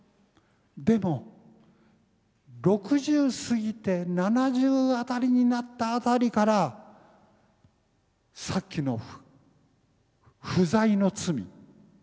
でも６０過ぎて７０辺りになった辺りからさっきの不在の罪。